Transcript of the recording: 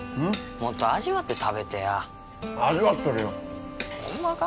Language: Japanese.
もっと味わって食べてや味わっとるよホンマか？